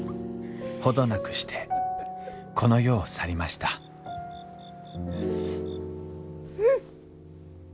程なくしてこの世を去りましたううっ。